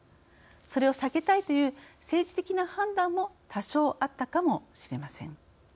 それを避けたいという政治的な判断も多少、あったかもしれません。